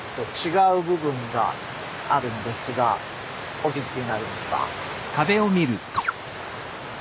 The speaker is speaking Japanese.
お気付きになりますか？